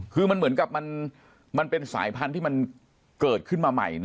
คือมันเหมือนกับมันเป็นสายพันธุ์ที่มันเกิดขึ้นมาใหม่นะ